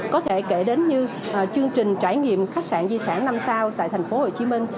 có thể kể đến như chương trình trải nghiệm khách sạn di sản năm sao tại thành phố hồ chí minh